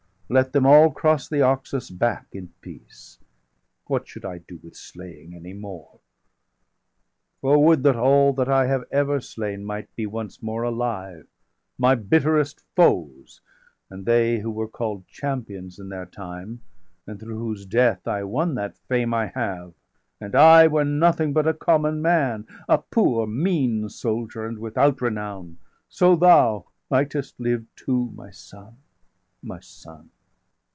Let them all cross the Oxus back in peace! What should I do with slaying any more? For would that all that I have ever slain Might be once more alive; my bitterest foes, 810 And they who were call'd champions in their time, And through whose death I won that fame I have And I were nothing but a common man, A poor, mean soldier, and without renown, So thou mightest live too, my son, my son!